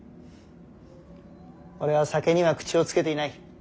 俺は酒には口をつけていない。